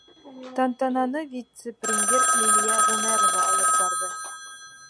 Тантананы вице-премьер Лилиә Ғүмәрова алып барҙы.